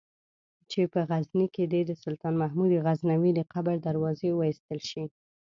چې په غزني کې دې د سلطان محمود غزنوي د قبر دروازې وایستل شي.